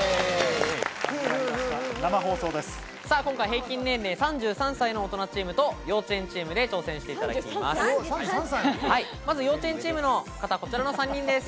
今回、平均年齢３３歳の大人チームと、幼稚園チームで挑戦していただきます。